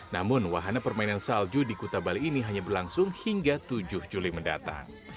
namun wahana permainan salju di kuta bali ini hanya berlangsung hingga tujuh juli mendatang